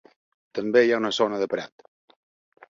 També hi ha una zona de prat.